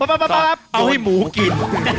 เอาให้หมูกิน